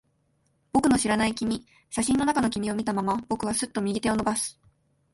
僕の知らない君。写真の中の君を見たまま、僕はすっと右手を伸ばす。